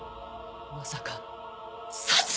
まさか殺人！？